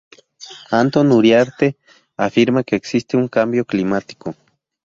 Antón Uriarte afirma que existe un cambio climático.